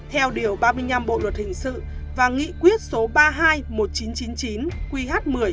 theo điều ba mươi năm bộ luật hình sự và nghị quyết số ba mươi hai một nghìn chín trăm chín mươi chín qh một mươi